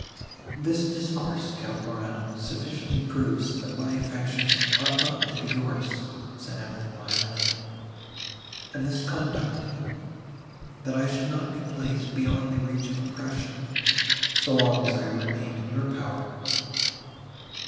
"This discourse, Count Morano, sufficiently proves, that my affections ought not to be yours," said Emily, mildly, "and this conduct, that I should not be placed beyond the reach of oppression, so long as I remained in your power.